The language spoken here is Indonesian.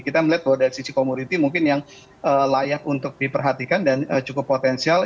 kita melihat bahwa dari sisi komoditi mungkin yang layak untuk diperhatikan dan cukup potensial